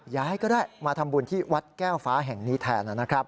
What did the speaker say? ย้ายก็ได้มาทำบุญที่วัดแก้วฟ้าแห่งนี้แทนนะครับ